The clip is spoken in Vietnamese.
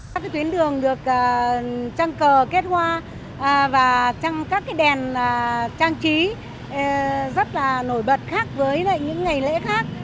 các tuyến đường được trăng cờ kết hoa và các cái đèn trang trí rất là nổi bật khác với những ngày lễ khác